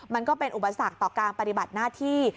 มันก็เป็นอุปสรรคต่อการปฏิบัติหน้าที่